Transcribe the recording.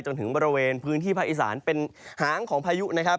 จนถึงบริเวณพื้นที่ภาคอีสานเป็นหางของพายุนะครับ